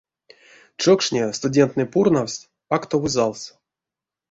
Чокшне студентнэ пурнавсть актовой залс.